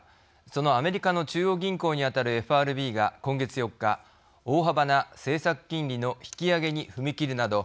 そのアメリカの中央銀行に当たるＦＲＢが今月４日大幅な政策金利の引き上げに踏み切るなど